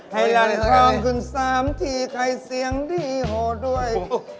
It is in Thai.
ให้รักพร้อมคุณสามทีใครเสียงดีโหด้วย